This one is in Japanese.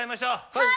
はい！